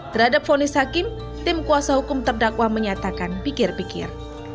terhadap fonis hakim tim kuasa hukum terdakwa menyatakan pikir pikir